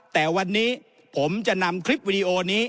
แต่วันนี้ผมจะนำคลิปวิดีโอนี้